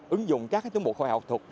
ứng dụng các chống bộ khoa học thuật